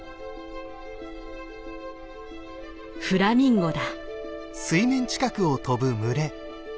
フラミンゴだ。